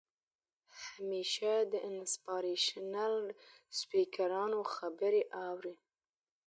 همېشه د انسپارېشنل سپيکرانو خبرې اورئ